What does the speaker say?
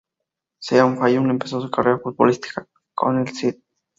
Sean Fallon empezó su carrera futbolística con el St.